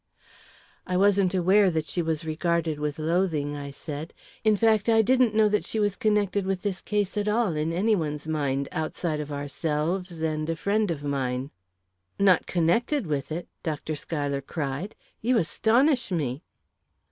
"I wasn't aware that she was regarded with loathing," I said. "In fact, I didn't know that she was connected with this case at all in any one's mind outside of ourselves and a friend of mine." "Not connected with it!" Dr. Schuyler cried. "You astonish me!"